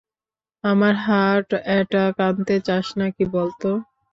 আমার heart attack আনতে চাস নাকি বল তো?